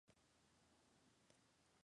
Aunque seguiría ligado a esta como productor.